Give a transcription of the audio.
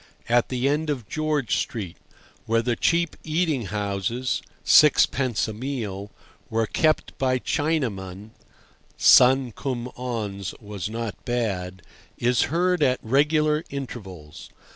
at the end of George Street, where the cheap eating houses (sixpence a meal) were kept by Chinamen (Sun kum on's was not bad), is heard at regular intervals.